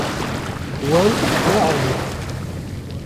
Wan neajot.